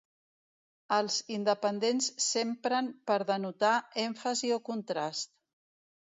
Els independents s’empren per denotar èmfasi o contrast.